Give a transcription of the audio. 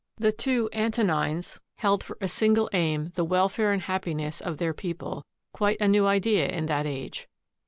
The two Antonines held for a single aim the welfare and happiness of their peo ple, quite a new idea in that age.